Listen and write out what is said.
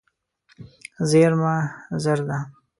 زېرمه زر ده.